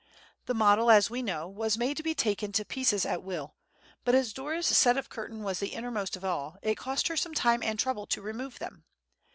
The model, as we know, was made to be taken to pieces at will; but as Dora's set of curtains was the innermost of all, it cost her some time and trouble to remove them.